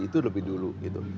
itu lebih dulu gitu